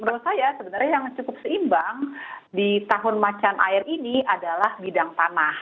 menurut saya sebenarnya yang cukup seimbang di tahun macan air ini adalah bidang tanah